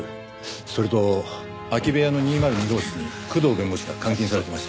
それと空き部屋の２０２号室に工藤弁護士が監禁されてました。